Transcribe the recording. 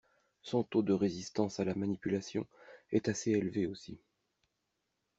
son taux de résistance à la manipulation est assez élevé aussi.